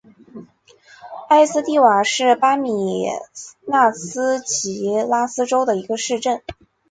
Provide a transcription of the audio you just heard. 埃斯蒂瓦是巴西米纳斯吉拉斯州的一个市镇。